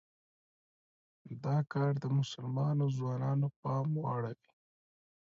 دا کار د مسلمانو ځوانانو پام واړوي.